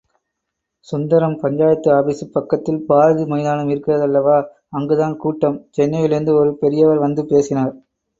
சுந்தரம் பஞ்சாயத்து ஆபீசுப் பக்கத்தில் பாரதி மைதானம் இருக்கிறதல்லவா, அங்குதான் கூட்டம், சென்னையிலிருந்து ஒரு பெரியவர் வந்து பேசினார்.